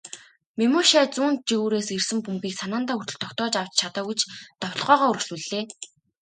Мемушай зүүн жигүүрээс ирсэн бөмбөгийг санаандаа хүртэл тогтоож авч чадаагүй ч довтолгоогоо үргэлжлүүллээ.